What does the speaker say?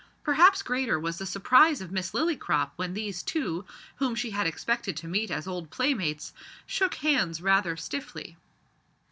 Perhaps greater was the surprise of Miss Lillycrop when these two, whom she had expected to meet as old playmates, shook hands rather stiffly.